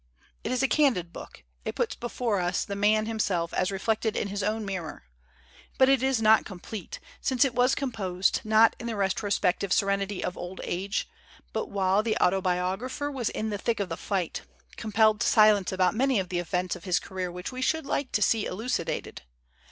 It is a candid book; it puts before us the man himself as re flected in his own mirror; but it is not complete, since it was composed, not in the retrospective serenity of old age, but while the autobiog rapher was in the thick of the fight, com pelled to silence about many of the events of his career which we should like to see eluci dated.